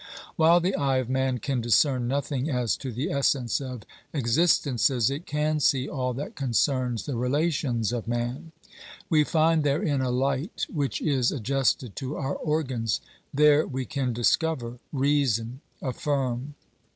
While the eye of man can discern nothing as to the essence of existences, it can see all that concerns the relations of man. We find therein a light which is adjusted to our organs ; there we can discover, reason, affirm.